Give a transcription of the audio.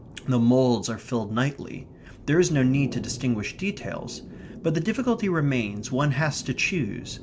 The moulds are filled nightly. There is no need to distinguish details. But the difficulty remains one has to choose.